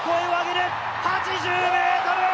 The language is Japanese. ８０ｍ！